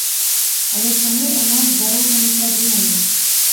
Але чаму ў нас з дарогамі праблема?